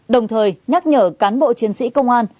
đồng thời nhắc nhở cán bộ chiến sĩ công an